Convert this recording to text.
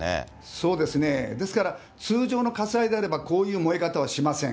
そうですね、ですから、通常の火災であれば、こういう燃え方はしません。